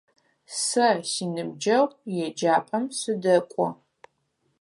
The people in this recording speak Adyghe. Сэ синыбджэгъу еджапӏэм сыдэкӏо.